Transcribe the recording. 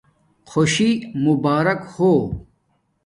خوشی مبارک چھی